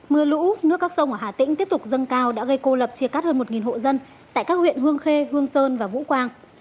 mưa lũ nước các sông ở hà tĩnh tiếp tục dâng cao đã gây cô lập chia cắt hơn một hộ dân tại các huyện hương khê hương sơn và vũ quang